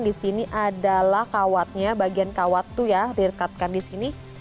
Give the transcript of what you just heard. disini adalah kawatnya bagian kawat tuh ya direkatkan disini